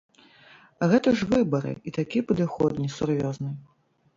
А гэта ж выбары, і такі падыход несур'ёзны.